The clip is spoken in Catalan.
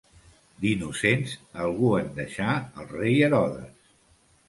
D'innocents, algun en deixà el rei Herodes.